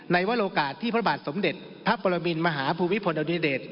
ในวัลโอกาสที่พระบาทสมเด็จพระปรมินทร์มหาภูวิพลอดินเดชน์